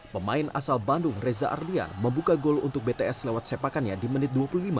pemain asal bandung reza arlian membuka gol untuk bts lewat sepakannya di menit dua puluh lima